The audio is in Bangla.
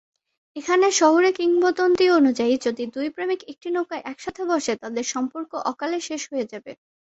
এখানের শহুরে কিংবদন্তি অনুযায়ী, যদি দুই প্রেমিক একটি নৌকায় একসাথে বসে, তাদের সম্পর্ক অকালে শেষ হয়ে যাবে।